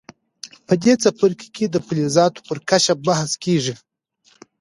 په دې څپرکي کې د فلزاتو پر کشف بحث کیږي.